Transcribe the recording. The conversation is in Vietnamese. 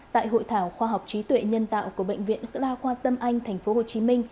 tại hội thảo khoa học trí tuệ nhân tạo của bệnh viện đa khoa tâm anh tp hcm